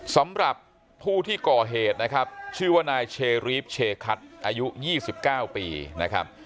สำหรับผู้ที่ก่อเหตุนะครับชื่อว่านายเชรีฟเชคัทอายุ๒๙ปีนะครับ